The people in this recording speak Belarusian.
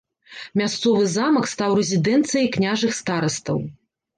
Мясцовы замак стаў рэзідэнцыяй княжых старастаў.